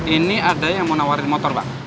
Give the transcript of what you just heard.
ini ada yang mau nawarin motor pak